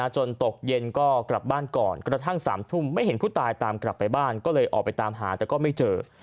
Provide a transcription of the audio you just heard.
ตกเย็นก็กลับบ้านก่อนกระทั่ง๓ทุ่มไม่เห็นผู้ตายตามกลับไปบ้านก็เลยออกไปตามหาแต่ก็ไม่เจอ